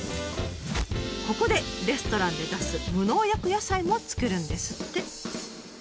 ここでレストランで出す無農薬野菜も作るんですって。